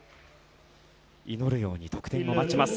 祈るように得点を待ちます。